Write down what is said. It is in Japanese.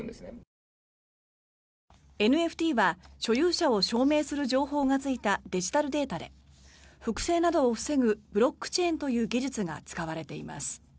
ＮＦＴは所有者を証明する情報がついたデジタルデータで複製などを防ぐブロックチェーンという技術が使われています。